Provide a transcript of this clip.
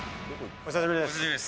お久しぶりです。